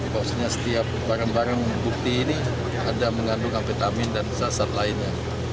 bahwasannya setiap barang barang bukti ini ada mengandung amphetamin dan sesat lainnya